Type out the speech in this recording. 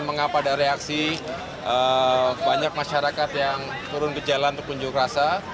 mengapa ada reaksi banyak masyarakat yang turun ke jalan untuk unjuk rasa